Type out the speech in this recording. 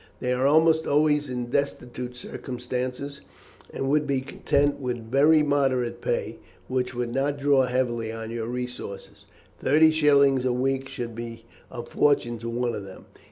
They are almost always in destitute circumstances, and would be content with very moderate pay, which would not draw very heavily on your resources. Thirty shillings a week would be a fortune to one of them.